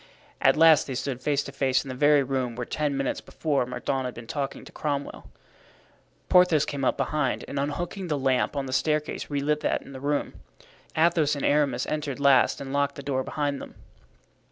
At last they stood face to face in the very room where ten minutes before Mordaunt had been talking to Cromwell. Porthos came up behind, and unhooking the lamp on the staircase relit that in the room. Athos and Aramis entered last and locked the door behind them.